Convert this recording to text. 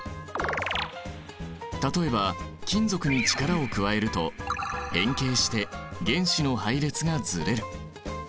例えば金属に力を加えると変形して原子の配列がずれる。